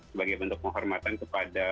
sebagai bentuk penghormatan kepada